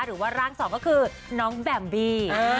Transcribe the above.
หรือว่าร่างสองก็คือน้องแบมบี้